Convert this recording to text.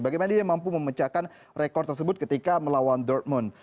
bagaimana dia mampu memecahkan rekor tersebut ketika melawan dortmund